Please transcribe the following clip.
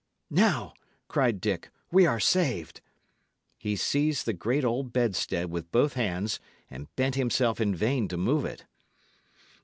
"Now," cried Dick, "we are saved." He seized the great old bedstead with both hands, and bent himself in vain to move it.